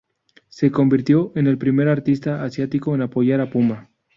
Se convirtió en el primer artista asiático en apoyar a Puma.